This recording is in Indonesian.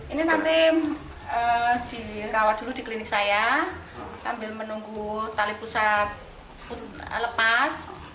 ini nanti dirawat dulu di klinik saya sambil menunggu tali pusat lepas